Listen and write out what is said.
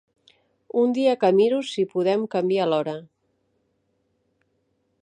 Un dia que miro si podem canviar l'hora.